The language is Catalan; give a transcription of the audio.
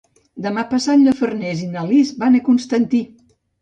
Demà passat na Farners i na Lis van a Constantí.